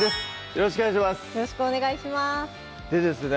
よろしくお願いします